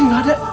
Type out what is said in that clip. putri gak ada